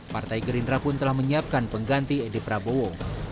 partai gerindra pun telah menyiapkan pengganti edi prabowo